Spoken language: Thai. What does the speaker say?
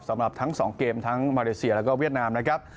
สำหรับทั้ง๒เกมทั้งมาเลเซียแล้วก็เวียดนามนะครับ